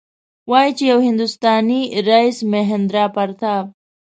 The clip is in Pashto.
وايي چې یو هندوستانی رئیس مهیندراپراتاپ.